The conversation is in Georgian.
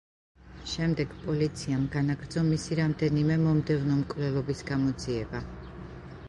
შემდეგ პოლიციამ განაგრძო მისი რამდენიმე მომდევნო მკვლელობის გამოძიება.